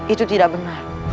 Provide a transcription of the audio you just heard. itu tidak benar